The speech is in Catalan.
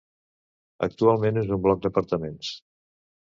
Actualment és un bloc d'apartaments.